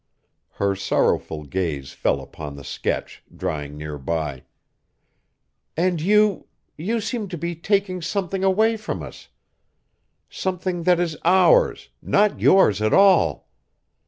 Her sorrowful gaze fell upon the sketch, drying near by. "And, you you seem to be taking something away from us. Something that is ours, not yours at all!